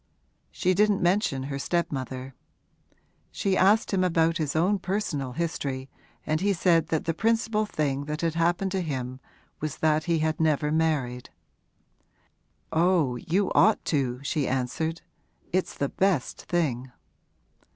She didn't mention her stepmother. She asked him about his own personal history and he said that the principal thing that had happened to him was that he had never married. 'Oh, you ought to,' she answered. 'It's the best thing.'